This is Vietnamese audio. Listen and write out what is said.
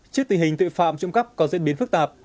chiếc tình hình tội phạm trụng cắp có diễn biến phức tạp